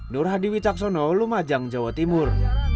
nur hadiwi caksono lumajang jawa timur